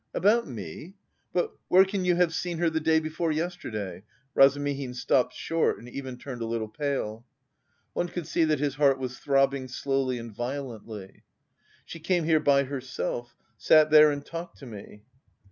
"About me! But... where can you have seen her the day before yesterday?" Razumihin stopped short and even turned a little pale. One could see that his heart was throbbing slowly and violently. "She came here by herself, sat there and talked to me."